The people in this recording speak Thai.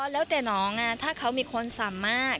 แล้วแต่น้องถ้าเขามีความสามารถ